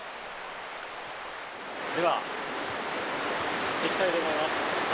では行ってきたいと思います。